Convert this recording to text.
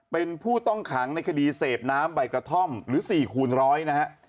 เป็นผู้ต้องขังในคดีเสพน้ำใบกระท่อมหรือ๔คูณร้อยนะฮะ